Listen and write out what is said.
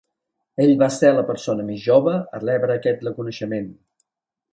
Ell va ser la persona més jove a rebre aquest reconeixement.